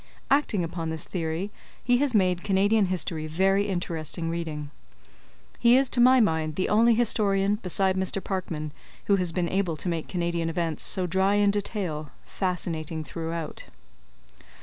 Acting upon this theory, he has made Canadian history very interesting reading. He is to my mind the only historian, beside Mr. Parkman, who has been able to make Canadian events so dry in detail, fascinating throughout.